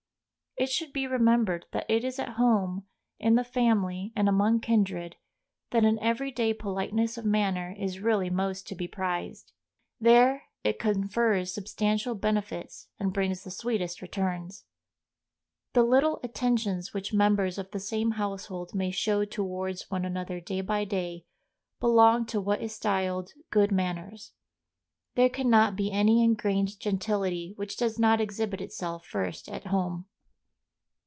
It should be remembered that it is at home, in the family, and among kindred, that an every day politeness of manner is really most to be prized; there it confers substantial benefits and brings the sweetest returns. The little attentions which members of the same household may show towards one another, day by day, belong to what is styled "good manners." There can not be any ingrained gentility which does not exhibit itself first at home.